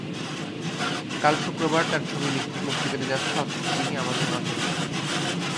কাল শুক্রবার তাঁর ছবি মুক্তি পেতে যাচ্ছে, অথচ তিনি আমাদের মাঝে নেই।